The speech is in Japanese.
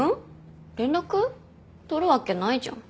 取るわけないじゃん。